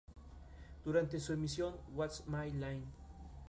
Durante su emisión, "What's My Line?